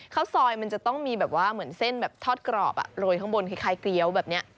ข้าวซอยมันจะต้องมีเส้นทอดกรอบโรยข้างบนคล้ายเกลี้ยวแบบนี้